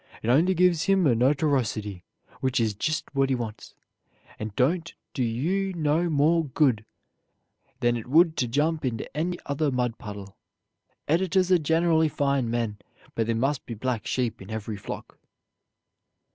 It only gives him a notorosity, which is jist what he wants, and don't do you no more good than it would to jump into enny other mudpuddle. Editors are generally fine men, but there must be black sheep in every flock."